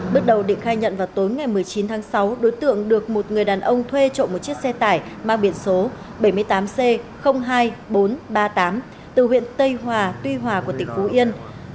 bước đầu định khai nhận vào tối ngày một mươi chín tháng sáu đối tượng được một người đàn ông thuê trộm một chiếc xe tải mang biển số bảy mươi tám c hai nghìn bốn trăm ba mươi tám từ huyện tây hòa tuy hòa của tỉnh phú yên